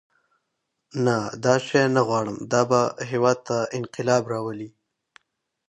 نه دا شی نه غواړم دا به هېواد ته انقلاب راولي.